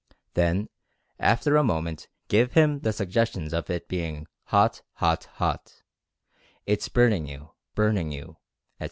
Then after a mo ment give him the suggestions of it being "hot, hot, hot — it's burning you, burning you," etc.